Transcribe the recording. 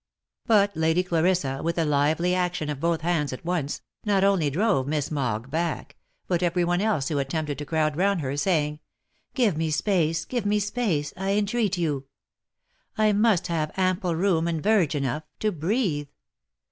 But Lady Clarissa, with a lively action of both hands at once, not only drove Miss Mogg back, but every one else who attempted to crowd round her, saying, " Give me space ! give me space, I entreat you ! I must have ' ample room and verge enough' to breathe.